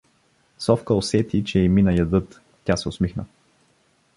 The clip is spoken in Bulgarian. Софка усети, че й мина ядът, тя се усмихна.